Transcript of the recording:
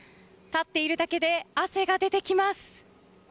立っているだけで汗が出てきます。